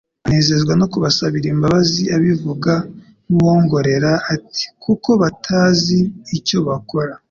Anezezwa no kubasabira imbabazi abivuga nk'uwongorera ati:"Kuko batazi icyo bakora."